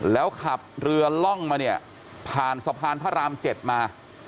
แล้วขับเรือล่องมาเนี่ยผ่านสะพานพระราม๗มา